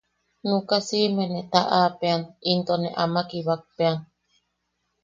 Nuʼuka siʼime ne taʼapeʼan into ne ama kibakpeʼan.